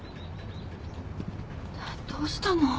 どうしたの！？